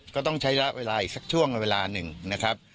ก็ต้องใช้ระยะเวลาอีกสักช่วงเวลาหนึ่งนะครับ